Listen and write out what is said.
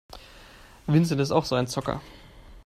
Vincent ist auch so ein Zocker.